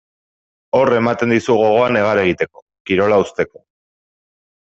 Hor ematen dizu gogoa negar egiteko, kirola uzteko.